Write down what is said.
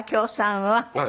はい。